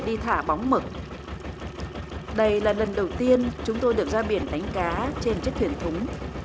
đây là lần đầu tiên chúng tôi được ra biển đánh cá trên chiếc thuyền thúng